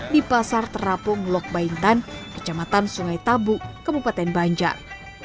di pasar terapung lok baintan kecamatan sungai tabu kabupaten banjar